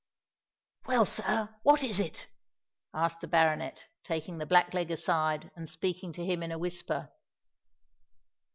"Well, sir, what is it?" asked the baronet, taking the black leg aside, and speaking to him in a whisper.